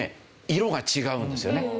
色が違うんですよね。